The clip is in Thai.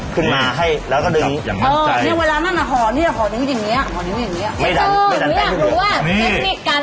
กินมาก็คล้องกัน